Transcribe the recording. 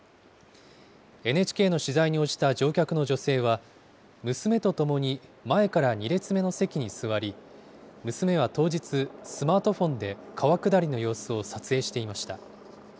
ＮＨＫの取材に応じた乗客の女性は、娘と共に前から２列目の席に座り、娘は当日、スマートフォンで川下りの様子を撮影していました。